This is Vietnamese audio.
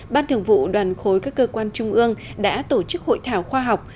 ban thường vụ đoàn khối các cơ quan trung ương đã tổ chức hội thảo khoa học